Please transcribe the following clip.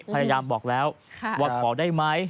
พยายามบอกแล้วว่าขอได้ไหม